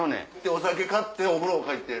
お酒買ってお風呂入って。